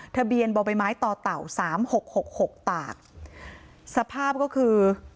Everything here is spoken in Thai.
ทะเบียนบ่อใบไม้ต่อเต่าสามหกหกหกตากสภาพก็คือ